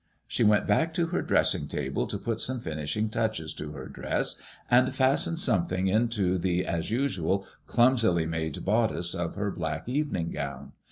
She went back to her dressing table to put some finishing touches to her dress and fasten something into the as usual clumsily made bodice of her black evening gown.